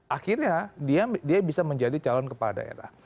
akhirnya dia bisa menjadi calon kepala daerah